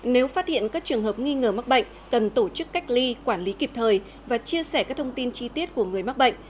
nếu phát hiện các trường hợp nghi ngờ mắc bệnh cần tổ chức cách ly quản lý kịp thời và chia sẻ các thông tin chi tiết của người mắc bệnh